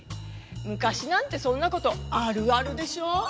昔なんてそんなことあるあるでしょ。